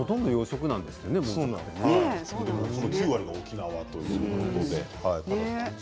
９割が沖縄ということです。